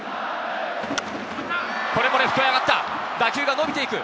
これもレフトへ上がった、打球が伸びていく。